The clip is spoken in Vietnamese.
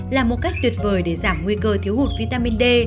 là một cách tuyệt vời để giảm nguy cơ thiếu hụt vitamin d